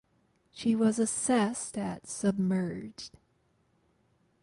She was assessed at submerged.